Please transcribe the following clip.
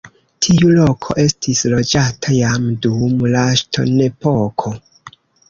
Tiu loko estis loĝata jam dum la ŝtonepoko.